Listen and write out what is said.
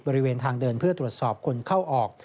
บริเวณทางเดินเพื่อตรวจสอบคนเข้าออก